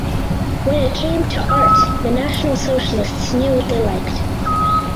When it came to art the National Socialists knew what they liked.